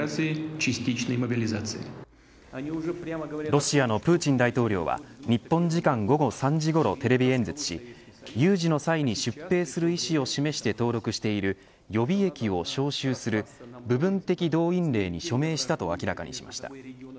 ロシアのプーチン大統領は日本時間午後３時ごろテレビ演説し有事の際に出兵する意思を示して登録している予備役を招集する部分的動員令に署名したと明らかにしました。